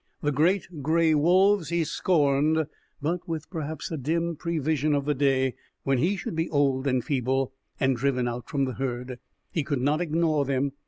The great gray wolves he scorned; but, with perhaps a dim prevision of the day when he should be old and feeble, and driven out from the herd, he could not ignore them.